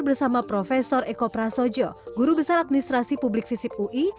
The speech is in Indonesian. bersama prof eko prasojo guru besar administrasi publik visip ui